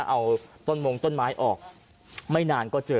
เอาต้นมงต้นไม้ออกไม่นานก็เจอ